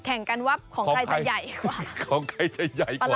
แข่งกันว่าของใครจะใหญ่กว่า